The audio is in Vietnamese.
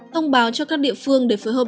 thông báo cho các địa phương để phối hợp